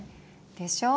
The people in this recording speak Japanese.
でしょう？